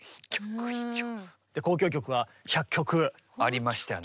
交響曲は１００曲。ありましたね。